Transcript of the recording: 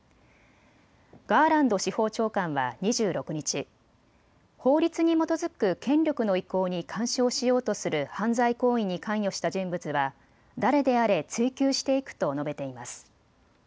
ガーランド司法長官は２６日、法律に基づく権力の移行に干渉しようとする犯罪行為に関与した人物は誰であれ追及していくと述べています。